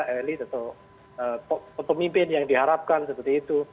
elit atau pemimpin yang diharapkan seperti itu